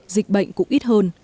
dịch bệnh cũng ít hơn